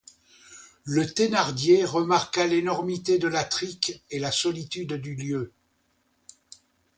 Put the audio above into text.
Le Thénardier remarqua l'énormité de la trique et la solitude du lieu.